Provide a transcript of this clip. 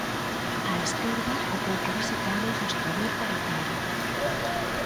Á esquerda, o pouco visitado mostrador para Italia.